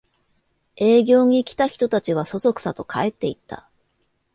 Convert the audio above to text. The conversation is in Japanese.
営業に来た人たちはそそくさと帰っていった